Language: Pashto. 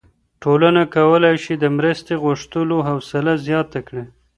ټولنه کولی شي د مرستې غوښتلو حوصله زیاته کړي.